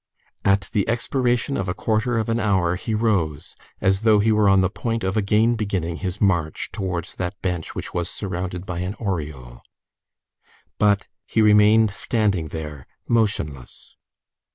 At the expiration of a quarter of an hour, he rose, as though he were on the point of again beginning his march towards that bench which was surrounded by an aureole. But he remained standing there, motionless.